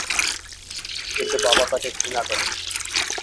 কিন্তু বাবা তাকে ঘৃণা করে।